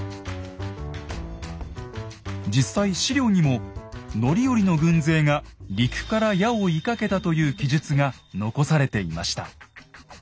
実際史料にも範頼の軍勢が陸から矢を射かけたという記述が残されていました。